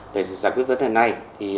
để giải quyết vấn đề này